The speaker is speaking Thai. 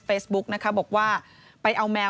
เฟซบุ๊คนะคะบอกว่าไปเอาแมว